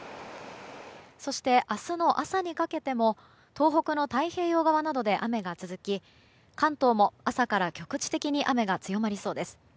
そして、明日の朝にかけても東北の太平洋側などで雨が続き関東も朝から局地的に雨が強まりそうです。